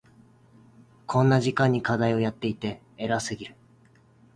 こんな時間に課題をやっていて偉すぎる。